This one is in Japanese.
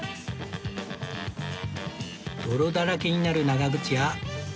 泥だらけになる長靴や